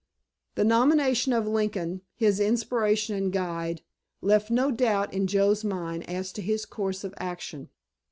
The nomination of Lincoln—his inspiration and guide—left no doubt in Joe's mind as to his course of action.